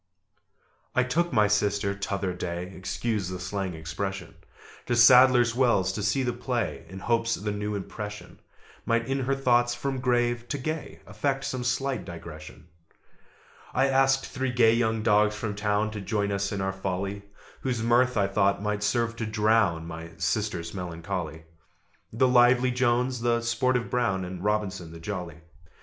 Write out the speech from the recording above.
I took my sister t'other day (Excuse the slang expression) To Sadler's Wells to see the play, In hopes the new impression Might in her thoughts, from grave to gay Effect some slight digression. I asked three gay young dogs from town To join us in our folly, Whose mirth, I thought, might serve to drown My sister's melancholy: The lively Jones, the sportive Brown, And Robinson the jolly.